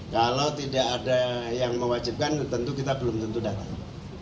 kalau tidak ada yang mewajibkan tentu kita belum tentu datang